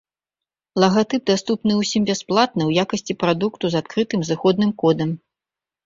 Лагатып даступны ўсім бясплатна ў якасці прадукту з адкрытым зыходным кодам.